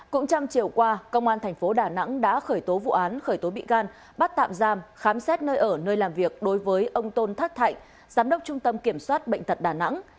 cũng trong chiều qua công an tp đà nẵng đã khởi tố vụ án khởi tố bị can bắt tạm giam khám xét nơi ở nơi làm việc đối với ông tôn thất thạnh giám đốc trung tâm kiểm soát bệnh tật đà nẵng